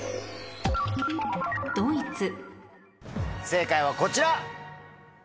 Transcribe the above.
正解はこちら！